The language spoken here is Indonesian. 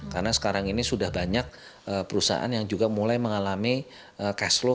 karena sekarang ini sudah banyak perusahaan yang juga mulai mengalami cash flow